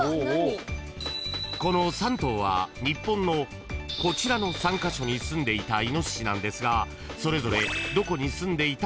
［この３頭は日本のこちらの３カ所にすんでいたイノシシなんですがそれぞれ］